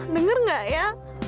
dengar gak ya